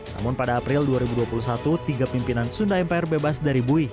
namun pada april dua ribu dua puluh satu tiga pimpinan sunda empire bebas dari bui